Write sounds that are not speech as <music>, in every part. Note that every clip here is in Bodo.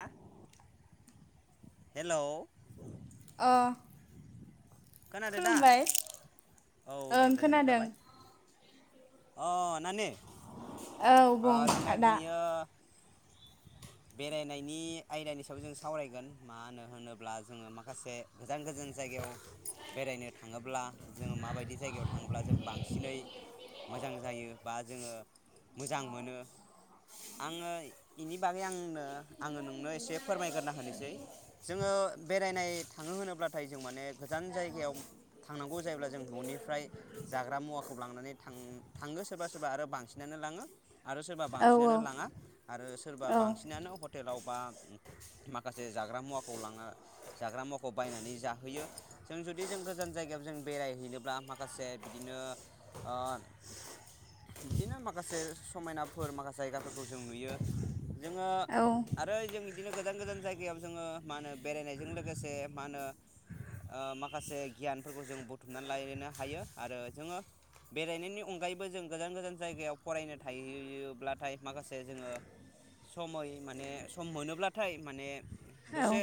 हा हेलौ ओ खोनादो दा? औ दे ओं गोजोननाय खोनादों थाबाय अ नानि औ ओ बुं जोंना आदा दिनैयो बेरायनायनि आयदानि सायाव जों सावरायगोन मा होनो होनोब्ला जोङो माखासे गोजान गोजान जायगायाव बेरायनो थाङोब्ला जोङो माबायदि जायगायाव थाङोब्ला जों बांसिनै मोजां जायो बा जोङो मोजां मोनो आङो इनि बाग गै आंनो आङो नोंनो एसे फोरमायग्रोना होनोसै। जोङो बेरायनाय थाङो होनोब्लाथाय जों माने गोजान जायगायाव थांनांगौ जायोब्ला जों न'निफ्राय जाग्रा मुवाखौ लांनानै थां थाङो सोरबा सोरबा आरो बांसिनानो लाङो। आरो सोरबा औ बांसिनानो लाङा। आरो सोरबा औ बांसिनानो हटेलाव बा माखासे जाग्रा मुवाखौ लाङा जाग्रा मुवाखौ बायनानै जाहोयो जों जुदि जों गोजान जायगायाव जों बेरायहैनोब्ला माखासे बिदिनो ओ बिदिनो माखासे समायनाफोर माखासे जायगाफोरखौ जों नुयो। जोङो औ आरो जों बिदिनो गोजान गोजान जायगायाव जोङो मा होनो बेरायनायजों लोगोसे मा होनो ओ माखासे गियानफोरखौ जों बुथुमनानै लानो हायो आरो जोङो बेरायनायनि अनगायैबो जों गोजान गोजान जायगायाव फरायनो थाहैयोब्लाथाय माखासे जोङो समय माने सम मोनोब्लाथाय माने दसे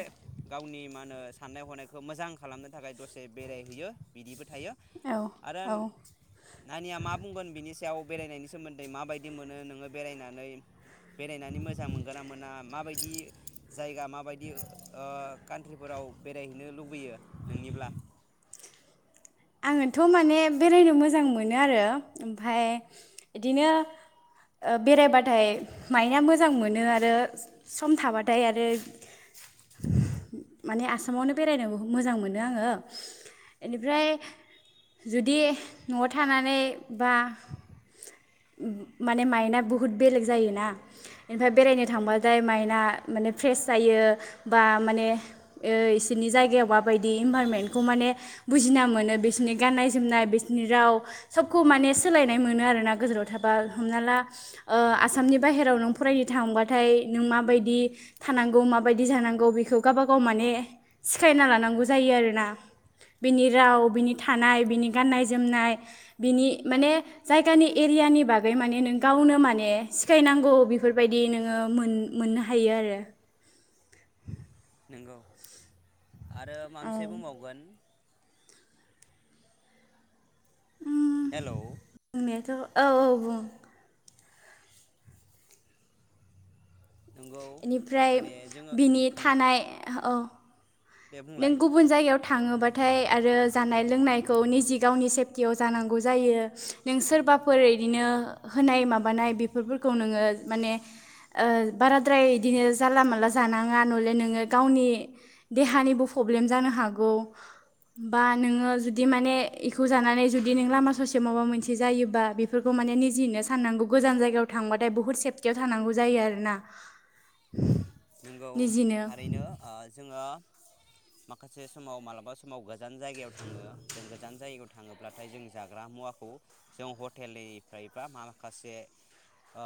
गावनि मा होनो साननाय हनायखौ मोजां खालामनो थाखाय दसे बेरायहैयो बिदिबो थायो आरोे औ आं औ नानिया मा बुंगोन बिनि सायाव बेरायनायनि सोमोन्दै माबायदि मोनो नोङो बेरायनानै बे बेरायनानै मोजां मोनगोनना मोना माबायदि जायगा माबायदि ओ कानट्रिफोराव बेरायहैनो लुबैयो नोंनिब्ला आङोथ माने बेरायनो मोजां मोनो आरो ओमफाय इदिनो ओ बेरायबाथाय मायेना मोजां मोनो आरो स सम थाबाथाय आरो माने आसामावनो बेरायनो मोजां मोनो आङो बेनिफ्राय जुदि नआव थानानै बा माने मायेन्डा बुहुत बेलेग जायोना ओमफ्राय बेरायनो थांबाथाय माइन्डा माने फ्रेस जायो बा माने ओ बिसोरनि जायगायाव माबायदि इनभारमेन्टखौ माने बुजिना मोनो बे बिसोरनि गाननाय जोमनाय बिसोरनि राव सबखौ माने सोलायनाय मोनो आरोना गोजानाव थाबा हमना ला ओ आसामनि बाहेराव नों फरायनो थांबाथाय नों माबायदि थानांगौ माबायदि जानांगौ बेखौ गावबागाव माने सिखायना लानांगौ जायो आरोना बिनि राव बिनि थानाय बिनि गाननाय जोमनाय बिनि माने जायगानि एरियानि बागै माने नों गावनो माने सिखायनांगौ बेफोरबायदि नोङो मोन मोननो हायो आरो <inaudible> नोंगौ आरो माबा औ मोनसे बुंबावगोन हेलौ बुंनायाथ' औ औ बुं नोंगौ इनिफ्राय माने जोङो बिनि औ थानाय ओहो औ दे नों बुंलाय गुबुन जायगायाव थांङोबाथाय आरो जानाय लोंनायखौ निजे गावनि सेफटियाव जानांगौ जायो नों सोरबाफोर इदिनो होनाय माबानाय बेफोरफोरखौ नोङो माने ओ बाराद्राय इदिनो जानला मानला जानाङा नहले नोङो गावनि देहानि बो प्रब्लेम जानो हागौ बा नोङो जुदि माने एखौ जानानै जुदि नों लामा ससेयाव माबा मोनसे जायोबा बेफोरखौ माने निजेहैनो साननांगौ गोजान जायगायाव थांबाथाय बुहुत सेफटियाव थानांगौ जायो आरोना नंगौ निजिनो थारैनो ओ जोङो माखासे समाव मालाबा समाव गोजान जायगायाव थाङो जों गोज गोजान जायगायाव थाङोब्लाथाय जों जाग्रा मुवाखौ जों हटेलनिफ्रायबा माखासे ओ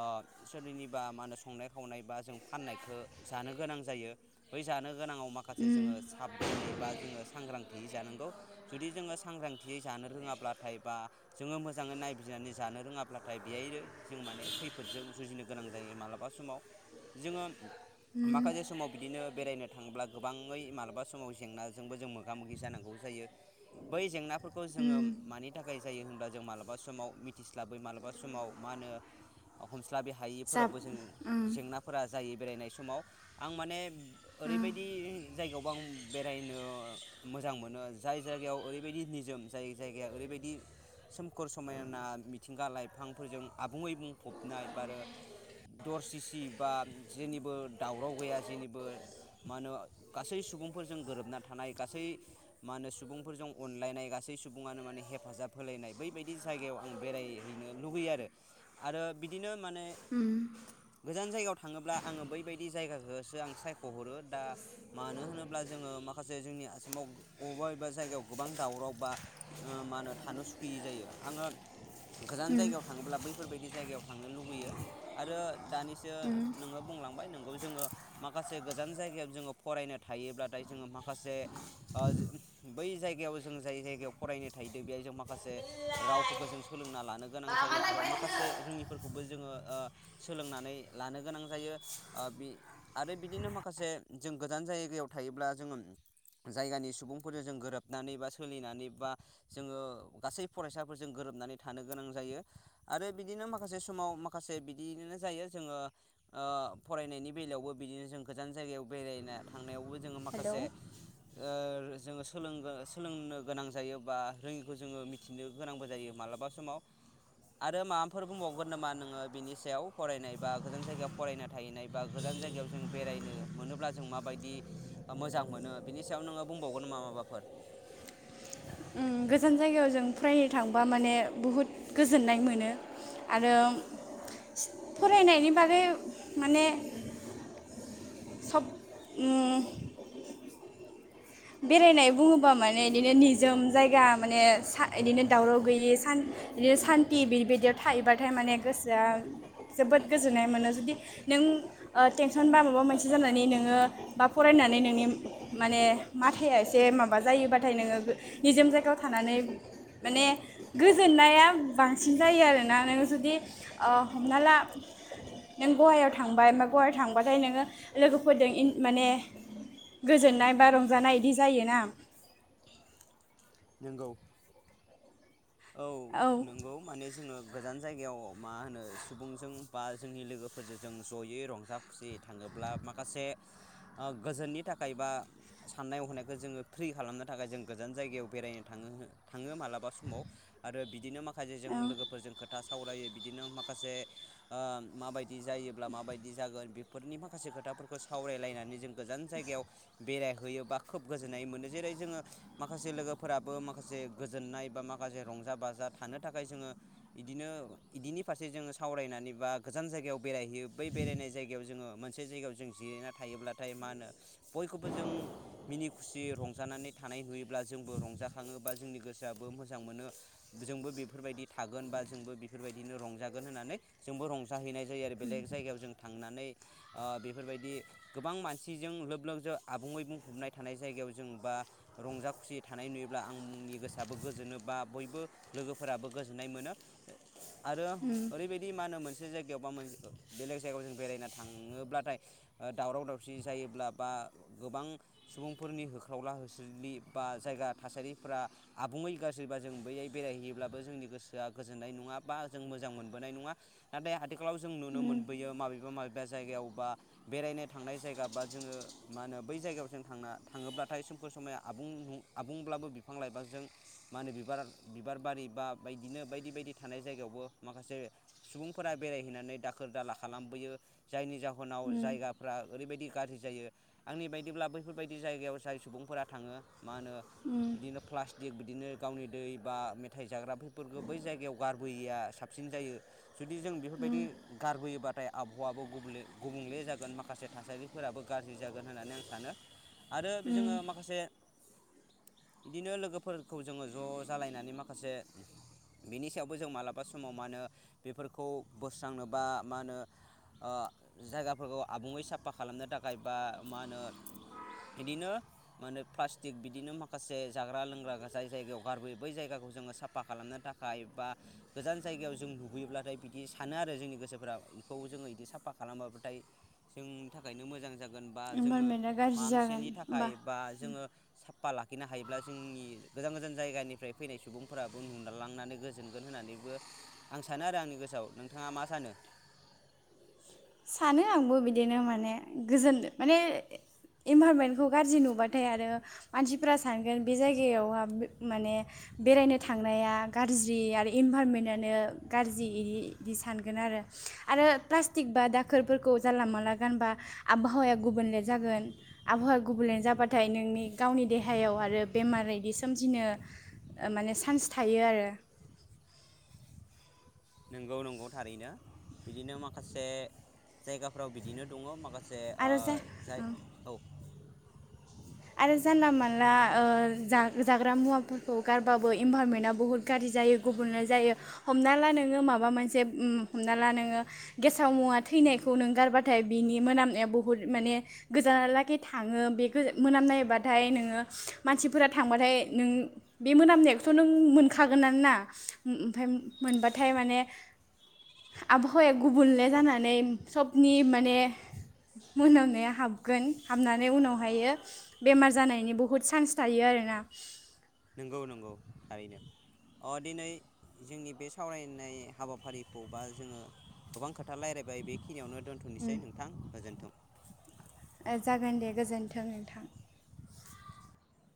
सोरनिबा मा होनो संनाय खावनाय बा जों फाननायखौ जानो गोनां जायो बै जानो गोनाङाव माखासे जोङो साबधानै बा जोङो सांग्रांथि थियै जानांगौ जुदि जोङो सांग्रांथियै जानो रोङाब्लाथाय बा जोङो मोजाङै नायबिनानै जानो रोङाब्लाथाय बेयनो जों माने खैफोदजों जुजिनो गोनां जायो मालाबा समाव जोङो माखासे समाव बिदिनो बेरायनो थांल्बा गोबाङै मालाबा समाव जेंनाजोंबो जों मोगा मोगि जानांगौ जायो बै जेंना फोरखौ जोङो मानि थाखाय जायो जों मालाबा समाव मिथिस्लाबै मालाबा समाव मा होनो सिस्लाबि जा हायैफोरावबो जों उम जेंनाफोरा जायो बेरायनाय समाव आं माने ओरैबायदि जायगायावबो आं बेरायनो मोजां मोनो जाय जायगायाव ओरैबायदि निजोम जाय जायगाया ओरैबायदि सोमखोर समायना मिथिंगा लाइफांफोरजों आबुङै बुंफबनाय बा आरो दरसिसि बा जेनिबो दावराव गैया जेनिबो मा होनो गासै सुबुंफोरजों गोरोबना थानाय गासै मा होनो सुबुंफोरजों अनलायनाय गासै सुबुङानो माने हेफाजाब होलायनाय बैबायदि जायगायाव आं बेरायहैनो लुगैयो आरो आरो बिदिनो माने गोजान जायगायाव थाङोब्ला आङो बैबायदि बिदि जायगाखौसो आं सायख'हरो दा मानो होनोब्ला जोङो माखासे जोंनि आसामाव बबेबा अबेबा जायगायाव गोबां दावराव बा मा होनो थानो सुखियै जायो आङो गोजान जायगायाव थाङोब्ला बै बेफोरबायदि जायगायाव थांनो लुुबैयो आरो दानिसो नोङो बुंलांबाय नोङो खौ जोङो माखासे गोजान जायगायाव जोङो फरायनो थायोब्लाथाय जोङो माखासे बै जायगायाव जों जाय जायगायाव फरायनो थाहैदों बेहाय जों माखासे रावफोरखौ जों सोलोंना लानो गोनां जायो आरो माखासे रोङिफोरखौबो ओ जोङो सोलोंनानै लानो गोनां जायो। ओ बि आरो बिदिनो माखासे जों गोजान जायगायाव थायोब्ला जोङो जायगानि सुबुंफोरजों जों गोरोबनानै बा सोलिनानै बा जोङो गासै फरायसाफोरजों गोरोबनानै थानो गोनां जायो आरो बिदिनो माखासे समाव माखासे बिदियैनो जायो जोङो ओ फरायनायनि बेलायावबो बिदिनो जों गोजान जायगायाव बेरायना थांनायावबो जोङो हेलौ माखासे जोङो सोलों सोलोंनो गोनां जायो बा रोङिखौ जोङो मिथिनो गोनांबो जायो मालाबा समाव आरो माबाफोर बुंबावगोन नामा नोङो बिनि सायाव फरायनाय बा गोजान जायगायाव फरायनानै नाय बा गोजान जायगायाव बेरायनो मोनोब्ला जों मा बायदि मोजां मोनो बेनि सायाव नोङो बुंबावगोन नामा माबाफोर? उम, गोजान जायगायाव जों फरायनो थांबा माने बुहुत गोजोन्नाय मोनो आरो फरायनायनि बागै माने सब बेरायनाय बुङोबा माने बिदिनो निजोम जायगा माने बिदिनो दावराव गैयि बिदिनो सान्थि बिबायदियाव थायोबाथाय माने गोसोआ जोबोद गोजोननाय मोनो जुदि नों टेनसन बा माबा मोनसे जानानै नोङो बा फरायनानै नोंनि माने माथा एसे माबा जायोबाथाय नोङो निजोम जायगायाव थानानै माने गोजोननाया बांसिन जायो आरोना नोङो जुदि हमना ला नों ग'वायाव थांबाय बा ग'वायाव थांबाथाय नोङो लोगोफोरजों माने गोजोननाय बा रंज जानाय इदि जायोना नोंगौ औ नंगौ माने जोङो गोजान जायगायाव मा होनो सुबुंजों बा जोंनि लोगोफोरजों जों ज'यै रंजा खुसियै थाङोब्ला माखासे गोजोननि थाखाय बा साननाय हनायखौ जोङो फ्रि खालामनो थाखाय जों गोजान जायगायाव बेरायनो थाङो थाङो मालाबा समाव आरो बिदिनो माखा से जों औ लोगोफोरजों खोथा सों सावरायो बिदिनो माखासे माबायदि जायोब्ला माबायदि जागोन बेफोरनि माखासे खोथाफोरखौ सावरायलायनानै जों गोजान जायगायाव बेरायहैयो बा खोब गोजोननाय मोनो जेरै जोङो माखासे लोगोफोराबो माखासे गोजोननाय बा मासे माखासे रंजा बाजा थानो थाखाय जोङो बिदिनो बिदिनि फारसे जोङो सावरायनानै बा गोजान जायगायाव बेरायहैयो बै बेरायनाय जायगायाव जोङो मोनसे जायगायाव जों जिरायना थायोब्लाथाय मा नो बयखौबो जों मिनि खुसि रंजानानै थानाय नुयोब्ला जोंबो रंजाखाङो बा जोंनि गोसोआबो मोज जां मोनो जोंबो बेफोरबायदि थागोन बा जोंबो बेफोरबायदिनो रंजागोन होननानै जोंबो रंजाहै-हैनाय थैयार बेलेग जायगायाव जों थ थांनानै ओ बेफोरबायदि गोबां मानसिजों लोब लोब जोब आबुङै बुंफबनाय थानाय जायगायाव जों बा रंजा खुसियै थानाय नुयोब्ला आंनि गोसोआबो गोजोनो बा बयबो लोगोफोराबो गोजोननाय मोनो आरो ओरैबायदि मा होनो मोनस बे जायगायाव बा मोनसे ओ बेलेग जायगायाव जों बेरायना थाङोब्लाथाय आ दावराव दावसि जायोब्ला बा गोबां सुबुंफोरनि होख्रावला होसोलि बा जायगा थासारिफोरा आबुङै गाज सोरबा जों बैयै बेरायहैयोब्लाबो जोंनि गोसोआ गोजोननाय नङा बा जों मोजां मोनबोनाय नङा नाथाय हेखालाव जों नुनो मोनबोयो माबेबा माबेबा जायगायाव बा बेरायनो थांनाय जायगा बा जोङो मा होनो बै जायगायाव जों थांना थाङोब्लाथाय सोमखोर समायना आबुं-आबुंब्लाबो बिफां लाइफांजों मा होनो बिबार बिबार बारि बा बायदिनो बायदि बायदि थानाय जायगायावबो माखासे सुबुंफोरा बेरायहैनानै दाखोर दाला खालामबोयो जायनि जाहोनाव जायगाफ्रा ओरैबायदि गारज्रि जायो आंनि बायदिब्ला बैफोरबायदि जायगायाव जाय सुबुंफोरा थाङो मा होनो बिदिनो प्लास्टिक बिदिनो गावनि दै बा मेथाइ जाग्रा बेफोरखो बै जायगायाव गारबोयैया साबसिन जायो जुदि जों बेफोरबायदि गारबोयोबा थाय आबहावाबोे गुबले गुबुंले जागोन माखासे थासारिफोराबो गारज्रि जागोन होननानै आं सानो आरो बिजोङो माखासे बिदिनो लोगोफोरखौ जोङो ज'जालायनानै माखासे बेनि सायावबो जों मालाबा समाव मा होनो बेफोरखौ बोस्रांनो बा मा होनो आ जायगाफोरखौ आबुङै साफा खालामनो थाखाय बा मा होनो बिदिनो मा होनो प्लास्टिक बिदिनो माखासे जाग्रा लोंग्रा जाय जायगायाव गारबोयो बै जायगाखौ जोङो साफा खालामनो थाखाय बा गोजान जायगायाव जों नुबोयोब्लाथाय बिदि सानो आरो जोंनि गोसोफ्रा बिखौ जोङो बिदि साफा खालामाब्लाथाय जोंनि थाखायनो मोजां जाग गोन बा जोङो इनभाइरमेन्टआ गाज्रि जागोन मामसेनि थाखाय होमबा बा जोङो सा फा लाखिनो हायोब्ला जोंनि गोजान गोजान जायगानिफ्राय फैनाय सुबुंफ्राबो नुनालांनानै गोजोनगोन होननानैबो आं सानो आरो आंनि गोसोआव नोंथाङा मा सानो? सानो आंबो बिदिनो माने गोजोनदो माने इनभाइरनमेन्टखौ गारजि नुबाथाय आरो मानसिफ्रा सानगोन बे जायगायावहा माने बेरायनो थांनाया गारज्रि आरो इनभाइरनमेन्टानो गारजि इदि सानगोन आरो आरो फ्रासटिक बा दाख खोरफोरखौ जानला माला गानबा आबहावाया गुबुनले जागोन आबहावाया गुबुनले जाबाथाय नोंनि गावनि देहायाव आरो बेमार यैदि सोमजिनो माने चान्स थायो आरो। नंगौ नंगौ थारैनो बिदिनो माखासे जायगाफ्राव बिदिनो दङ माख जे ओ आरो जाय जा औ आरो जानला मानला ओ जागो-जाग्रा मुवाफोरखौ गारबाबो इनभारमेन्टआ बुहुत गारजि जायो गुबुनल जायो हमना ला नोङो माबा मोनसे उम हमना ला नोङो गेसाव मुवा थैनायखौ नों गारबाथाय बिनि मोनामनाया बुहुद माने गोजानलागै थाङो बे मोनामनायबाथाय नोङो मानसिफोरा थांबाथाय नों बे मोनामनायखौथ' नों मोनखागोन आना उ उ ओमफफ्राय मोनबाथाय माने आबहावाया गुबुनले जानानै सबनि माने मोनामनाया हाबगोन हाबनानै उनावहायो बेमार जानायनि बुहुत चान्स थायो आरोना। नंगौ नंगौ थारैनो अ दिनै जोंनि बे सावरायनाय हाबाफारिखौ बा जोङो गोबां खोथा रायलायबाय बिक खिनियावनो दोनथ'नोसै नोंथां गोजोन्थों। ए जागोन दे गोजोन्थों नोंथां।